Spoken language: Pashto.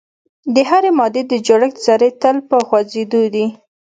د هرې مادې د جوړښت ذرې تل په خوځیدو دي.